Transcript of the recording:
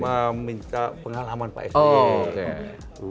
meminta pengalaman pak sby